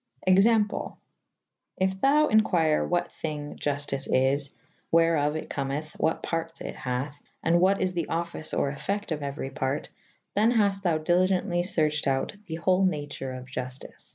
Example. If thou inquyre what thyng [A vi a] Juftyce is / Wherof it cometh/ wha:t partes it hathe / and what is the offyce or effecte of euery parte / then hafte thou diligently ferched out the whole nature of Juftice.